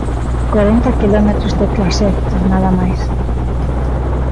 Corenta quilómetros de traxecto nada máis.